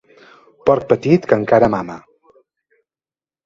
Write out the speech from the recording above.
Porc petit, que encara mama.